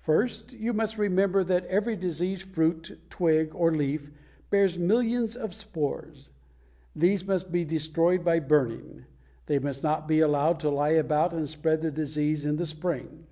First, you must remember that every diseased fruit, twig, or leaf bears millions of spores. These must be destroyed by burning. They must not be allowed to lie about and spread the disease in the spring.